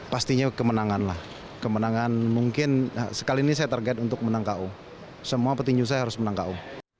pastinya kemenangan lah kemenangan mungkin sekali ini saya target untuk menang ko semua petinju saya harus menang ko